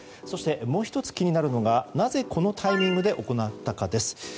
そして、もう１つ気になるのがなぜ、このタイミングで行ったかです。